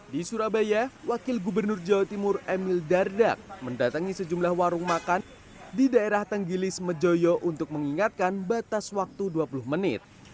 di surabaya wakil gubernur jawa timur emil dardak mendatangi sejumlah warung makan di daerah tenggilis mejoyo untuk mengingatkan batas waktu dua puluh menit